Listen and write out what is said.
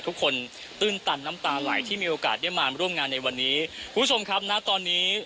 ตื้นตันน้ำตาไหลที่มีโอกาสได้มาร่วมงานในวันนี้คุณผู้ชมครับณตอนนี้